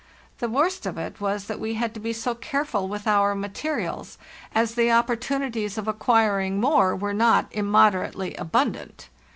The worst of it was that we had to be so careful with our materials, as the op portunities of acquiring more were not immoderately abundant.